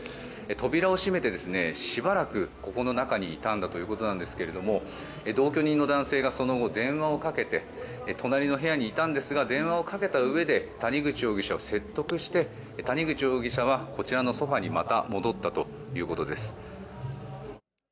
扉を閉めて、しばらくここの中にいたんだということですが同居人の男性がその後、電話をかけて隣の部屋にいたんですが電話をかけたうえで谷口容疑者を説得して谷口容疑者はこちらのソファにまた戻ったということです。